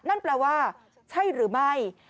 นั่นแปลว่าใช่หรือไม่